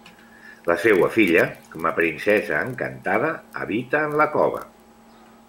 La seua filla, com a princesa encantada, habita en la cova.